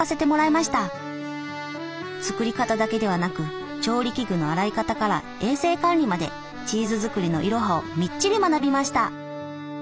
作り方だけではなく調理器具の洗い方から衛生管理までチーズ作りのイロハをみっちり学びました。